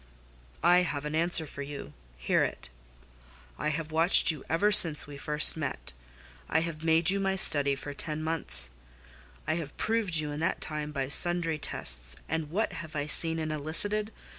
"I have an answer for you—hear it. I have watched you ever since we first met: I have made you my study for ten months. I have proved you in that time by sundry tests: and what have I seen and elicited?